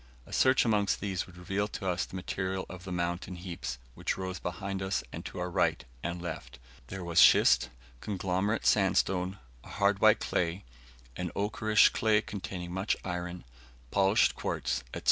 A search amongst these would reveal to us the material of the mountain heaps which rose behind and on our right and left; there was schist, conglomerate sandstone, a hard white clay, an ochreish clay containing much iron, polished quartz, &c.